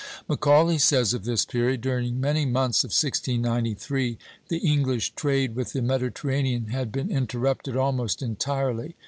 " Macaulay says of this period: "During many months of 1693 the English trade with the Mediterranean had been interrupted almost entirely.